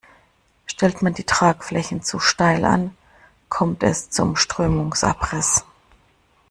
Stellt man die Tragflächen zu steil an, kommt es zum Strömungsabriss.